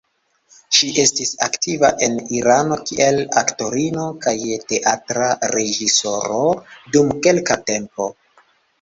Ŝi estis aktiva en Irano kiel aktorino kaj teatra reĝisoro dum kelka tempo.